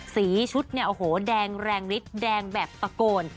ซีชุดแดงแรงฤทธิ์แดงแบบปะโกน